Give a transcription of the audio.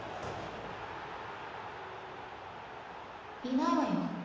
いないわよ。